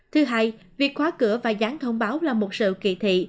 thứ hai việc khóa cửa và gián thông báo là một sự kỳ thị